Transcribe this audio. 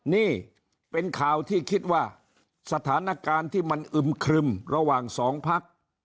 นี่เป็นข่าวที่คิดว่าสถานการณ์ที่มันอึมครึมระหว่างสองพัก